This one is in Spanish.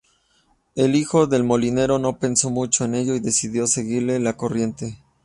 El hijo del molinero no pensó mucho en ello y decidió seguirle la corriente.